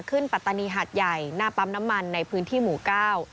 ปัตตานีหาดใหญ่หน้าปั๊มน้ำมันในพื้นที่หมู่เก้า